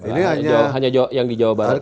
hanya yang di jawa barat